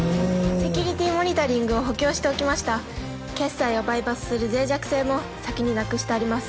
セキュリティーモニタリングを補強しておきました決済をバイパスする脆弱性も先になくしてあります